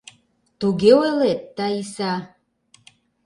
Туге ойлет, Таиса?!